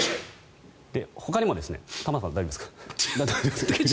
ほかにも玉川さん、大丈夫ですか？